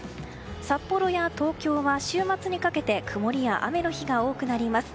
札幌や東京は週末にかけ曇りや雨の日が多くなります。